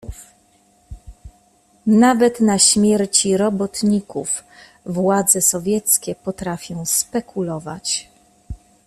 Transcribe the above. "Nawet na śmierci robotników władze sowieckie potrafią spekulować."